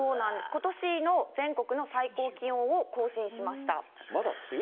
ことしの全国の最高気温を更新しました。